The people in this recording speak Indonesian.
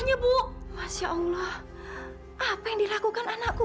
ya allah apa yang dilakukan anakku